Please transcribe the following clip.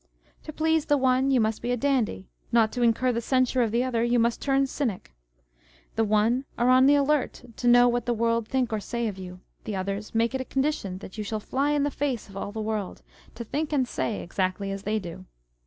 To please the one, you must be a dandy : not to incur the censure of the other, you must turn cynic. The one are on the alert to know what the world think or say of you : the others make it a condition that you shall fly in the face of all the world, to think and say exactly as they do.